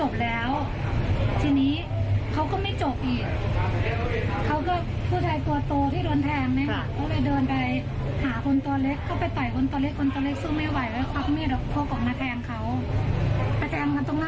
พวกมีดพบออกมาแทงเขาไปแทงกันตรงหน้ารองเท้าอะค่ะ